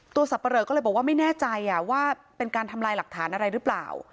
สับปะเหลอก็เลยบอกว่าไม่แน่ใจว่าเป็นการทำลายหลักฐานอะไรหรือเปล่า